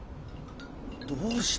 どうした。